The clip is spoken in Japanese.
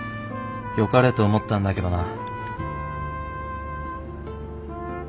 よかれと思ったんだけどな。